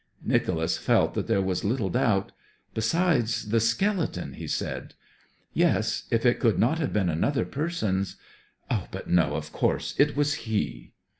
Nicholas felt that there was little doubt. 'Besides the skeleton,' he said. 'Yes ... If it could not have been another person's but no, of course it was he.'